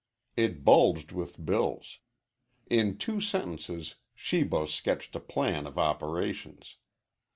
It bulged with bills. In two sentences Shibo sketched a plan of operations.